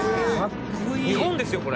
「日本ですよこれ！」